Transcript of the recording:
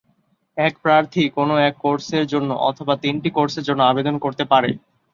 এক প্রার্থী কোন এক কোর্সের জন্য অথবা তিনটি কোর্সের জন্য আবেদন করতে পারে।